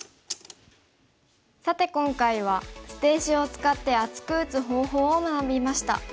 さて今回は捨て石を使って厚く打つ方法を学びました。